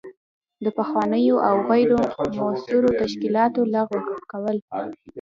د پخوانیو او غیر مؤثرو تشکیلاتو لغوه کول.